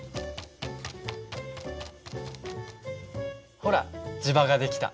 ほら磁場が出来た。